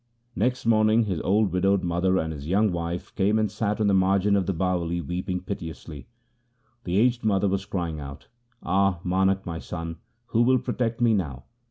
Next morning his old widowed mother and his young wife 96 THE SIKH RELIGION came and sat on the margin of the Bawali weeping piteously. The aged mother was crying out, ' Ah ! Manak my son, who will protect me now